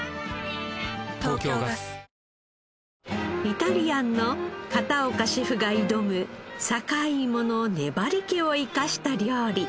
イタリアンの片岡シェフが挑む坂井芋の粘り気を生かした料理。